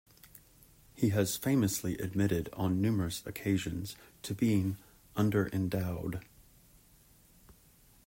He has famously admitted on numerous occasions to being "underendowed".